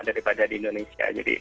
daripada di indonesia